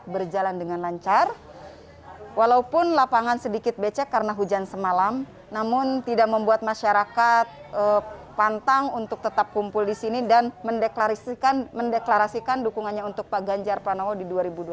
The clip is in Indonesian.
berjalan dengan lancar walaupun lapangan sedikit becek karena hujan semalam namun tidak membuat masyarakat pantang untuk tetap kumpul di sini dan mendeklarasikan dukungannya untuk pak ganjar pranowo di dua ribu dua puluh